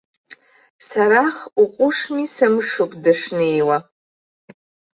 Сарах уҟәышми сымшуп дышнеиуа.